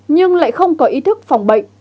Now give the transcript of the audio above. nhưng lại không có ý thức phòng bệnh